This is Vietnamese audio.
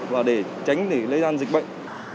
và để tránh lây gian dịch bệnh